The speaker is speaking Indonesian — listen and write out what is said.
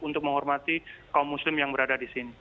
untuk menghormati kaum muslim yang berada di sini